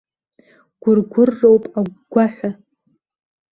Гәыргәырроуп агәгәаҳәа.